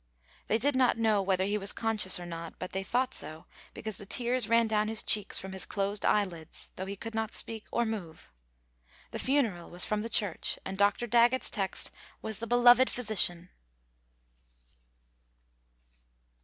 They did not know whether he was conscious or not, but they thought so because the tears ran down his cheeks from his closed eyelids, though he could not speak or move. The funeral was from the church and Dr. Daggett's text was, "The Beloved Physician."